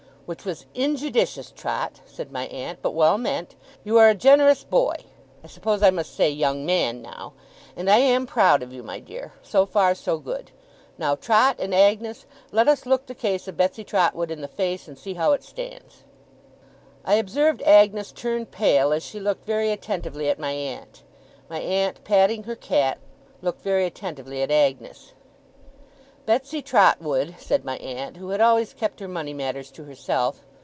'Which was injudicious, Trot,' said my aunt, 'but well meant. You are a generous boy I suppose I must say, young man, now and I am proud of you, my dear. So far, so good. Now, Trot and Agnes, let us look the case of Betsey Trotwood in the face, and see how it stands.' I observed Agnes turn pale, as she looked very attentively at my aunt. My aunt, patting her cat, looked very attentively at Agnes. 'Betsey Trotwood,' said my aunt, who had always kept her money matters to herself.